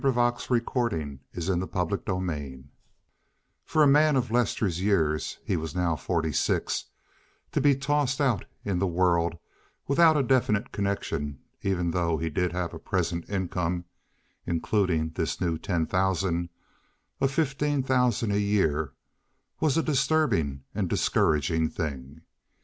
So it all came back to that. CHAPTER XLIV For a man of Lester's years—he was now forty six—to be tossed out in the world without a definite connection, even though he did have a present income (including this new ten thousand) of fifteen thousand a year, was a disturbing and discouraging thing.